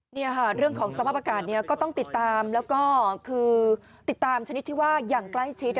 นี่ค่ะเรื่องของสภาพอากาศเนี่ยก็ต้องติดตามแล้วก็คือติดตามชนิดที่ว่าอย่างใกล้ชิด